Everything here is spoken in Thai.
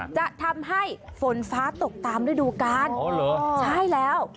จะทำให้ฝนฟ้าตกตามฤดูกาลอ๋อเหรอใช่แล้ว